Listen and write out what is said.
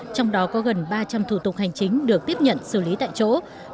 trong đó có gần ba trăm linh thủ tục hành chính được tiếp nhận xử lý tại chỗ